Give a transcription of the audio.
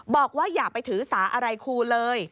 บอกว่าอย่าไปถือสาอะไรครูเลย